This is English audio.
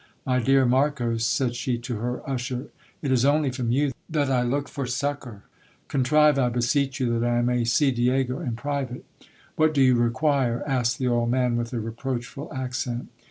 My dear Mar cos, said she to her usher, it is only from you that I look for succour. Con trive, I beseech you, that I may see Diego in private. What do you require ? asked the old man with a reproachful accent.